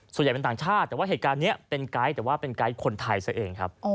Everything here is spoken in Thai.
ส่วนใหญ่เป็นต่างชาติแต่ว่าเหตุการณ์นี้เป็นไกด์แต่ว่าเป็นไกด์คนไทยซะเองครับ